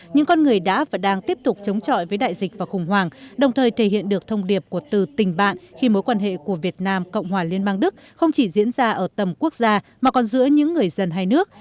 những con người đã và đang tiếp tục chống chọi với đại dịch và khủng hoảng đồng thời thể hiện được thông điệp của từ tình bạn khi mối quan hệ của việt nam cộng hòa liên bang đức không chỉ diễn ra ở tầm quốc gia mà còn giữa những người dân hai nước